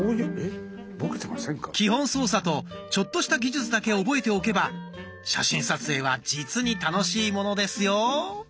基本操作とちょっとした技術だけ覚えておけば写真撮影は実に楽しいものですよ。